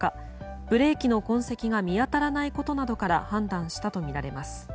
ブレーキの痕跡が見当たらないことなどから判断したとみられます。